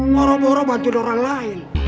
buru buru bantuin orang lain